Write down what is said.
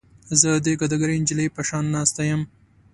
زه د ګداګرې نجلۍ په شان ناسته یم.